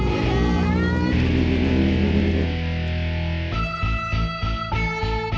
yaudah hati hati ya